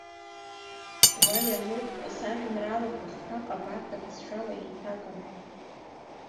Уа иануп сажәеинраалақәа хԥа, ҟабарда бызшәала еиҭаганы.